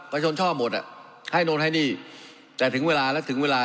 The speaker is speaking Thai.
ประชนช่อหมดอ่ะให้โน้นให้นี่แต่ถึงเวลาแล้วถึงเวลา